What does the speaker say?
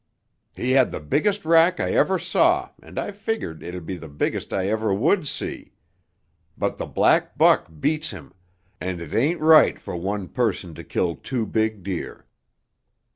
"He had the biggest rack I ever saw and I figured it'd be the biggest I ever would see. But the black buck beats him, and it ain't right for one person to kill two big deer.